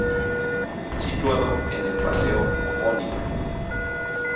Situado en el paseo homónimo.